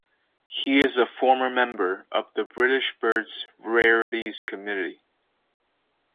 He is a former member of the British Birds Rarities Committee.